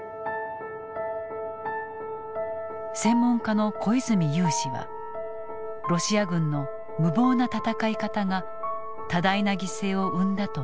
専門家の小泉悠氏はロシア軍の無謀な戦い方が多大な犠牲を生んだと見ている。